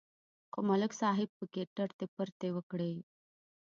خو ملک صاحب پکې ټرتې پرتې وکړې